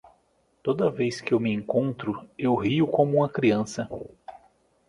Toda vez que eu me encontro, eu rio como uma criança.